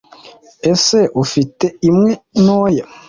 Ese Ufite imwe ntoya?